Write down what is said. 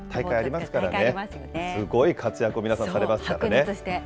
すごい活躍を皆さんされましてね。